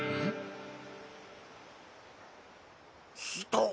人？